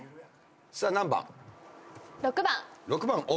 さあ何番？